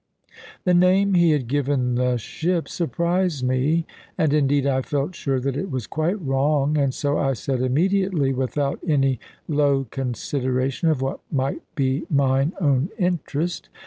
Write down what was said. The name he had given the ship surprised me; and indeed I felt sure that it was quite wrong; and so I said immediately, without any low consideration of what might be mine own interest.